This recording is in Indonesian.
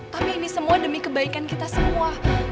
tapi ini semua demi kebaikan kita semua